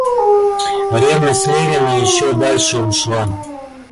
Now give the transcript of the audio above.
Ревность Левина еще дальше ушла.